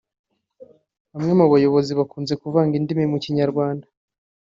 Bamwe mu bayobozi bakunze kuvanga indimi mu Kinyarwanda